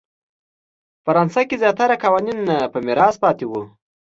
په فرانسه کې زیاتره قوانین په میراث پاتې وو.